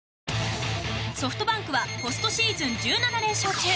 ソフトバンクはポストシーズン１７連勝中。